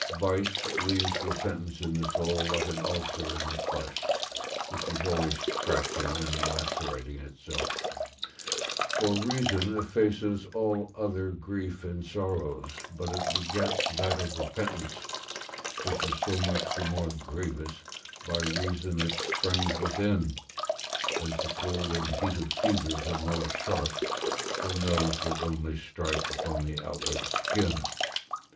Vice leaves repentance in the soul, like an ulcer in the flesh, which is always scratching and lacerating itself: for reason effaces all other grief and sorrows, but it begets that of repentance, which is so much the more grievous, by reason it springs within, as the cold and heat of fevers are more sharp than those that only strike upon the outward skin.